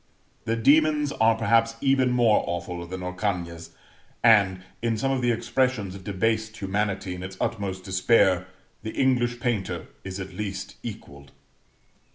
The demons are perhaps even more awful than Orcagna's; and, in some of the expressions of debased humanity in its utmost despair, the English painter is at least equalled.